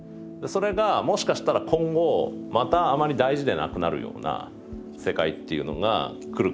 それがもしかしたら今後またあまり大事でなくなるような世界っていうのが来るかもしれないなと。